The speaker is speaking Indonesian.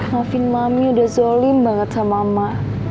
maafin mami udah zolim banget sama mak